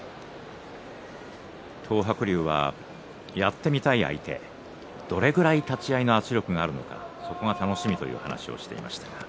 東白龍はやってみたい相手、どれぐらい立ち合いの圧力があるのか、それが楽しみと話していました。